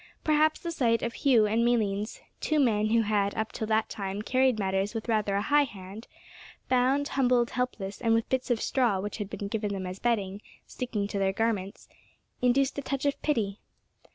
Perhaps the sight of Hugh and Malines two men who had, up till that time, carried matters with rather a high hand bound, humbled, helpless, and with bits of straw which had been given them as bedding sticking to their garments, induced a touch of pity.